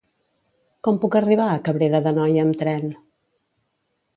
Com puc arribar a Cabrera d'Anoia amb tren?